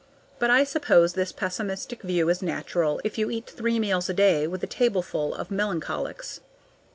But I suppose this pessimistic view is natural if you eat three meals a day with a tableful of melancholics.